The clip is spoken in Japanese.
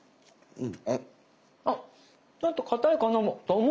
うん。